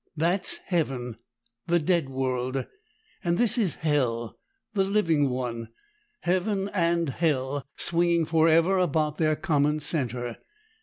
"That's Heaven, the dead world, and this is Hell, the living one. Heaven and Hell swinging forever about their common center!"